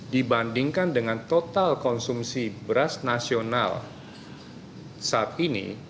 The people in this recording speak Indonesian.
dibandingkan dengan total konsumsi beras nasional saat ini